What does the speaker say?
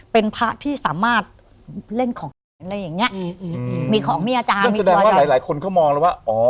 เพราะว่าพระองค์เนี่ยเขาบอก